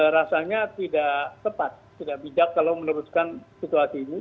rasanya tidak tepat tidak bijak kalau meneruskan situasi ini